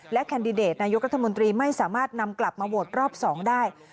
แคนดิเดตนายกรัฐมนตรีไม่สามารถนำกลับมาโหวตรอบ๒ได้